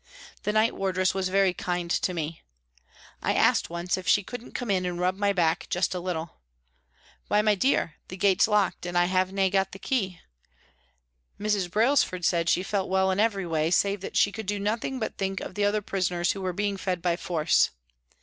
The night wardress was very kind to me. I asked once if she couldn't come in and rub my back just a little. " Why, my dear, the gate's locked and I have nae got the key." Mrs. Brailsford said she felt well in every way, save that she could do nothing but think of the other prisoners who were being fed by force.